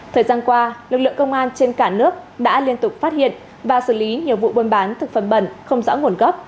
thời gian qua lực lượng công an trên cả nước đã liên tục phát hiện và xử lý nhiều vụ buôn bán thực phẩm bẩn không rõ nguồn gốc